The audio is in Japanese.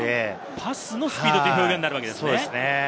パスのスピードという表現になるんですね。